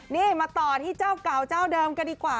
นี่มาต่อที่เจ้าเก่าเจ้าเดิมกันดีกว่า